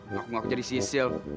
ngaku ngaku jadi sisil